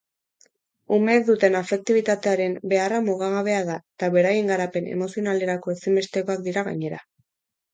Umeek duten afektibitatearen beharra mugagabea da eta beraien garapen emozionalerako ezinbestekoak dira gainera.